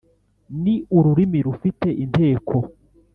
Ni ururimi rufite inteko,